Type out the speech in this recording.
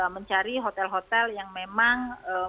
mencari hotel hotel yang memang